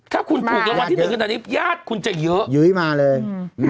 ถ้าคุณถูกรางวัลที่๑ขนาดนี้ญาติคุณจะเยอะยุ้ยมาเลย